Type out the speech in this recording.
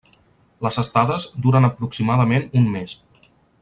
Les estades duren aproximadament un mes.